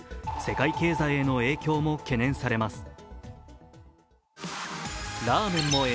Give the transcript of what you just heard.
世界経済への影響も懸念されます。